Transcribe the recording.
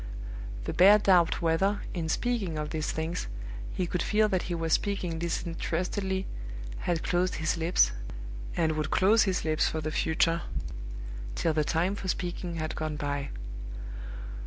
The bare doubt whether, in speaking of these things, he could feel that he was speaking disinterestedly, had closed his lips, and would close his lips for the future, till the time for speaking had gone by.